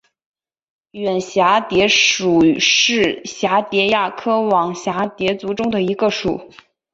远蛱蝶属是蛱蝶亚科网蛱蝶族中的一个属。